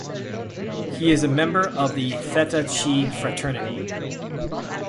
He is a member of the Theta Chi fraternity.